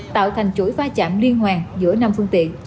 tạo thành chuỗi pha chạm liên hoàn giữa năm phương tiện